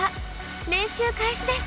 練習開始です。